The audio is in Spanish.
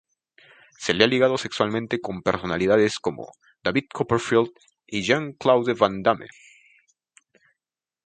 Se le ha ligado sexualmente con personalidades como David Copperfield y Jean-Claude Van Damme.